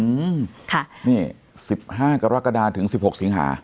อืมค่ะนี่สิบห้ากรกฎาถึงสิบหกสิงหา